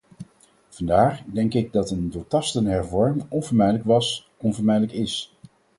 Vandaar denk ik dat een doortastende hervorming onvermijdelijk was, onvermijdelijk is.